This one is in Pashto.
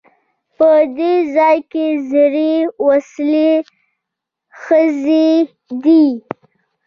په دې ځای کې زړې وسلې ښخي دي.